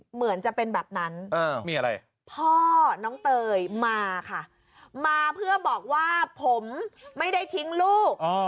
เหมือนจะเป็นแบบนั้นมีอะไรพ่อน้องเตยมาค่ะมาเพื่อบอกว่าผมไม่ได้ทิ้งลูก